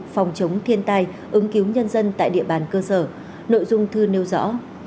phòng chống thiên tai ứng cứu nhân dân tại địa bàn cơ sở nội dung thư nêu rõ